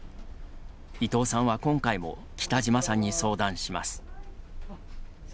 伊藤さんは今回も北島さんに相談します。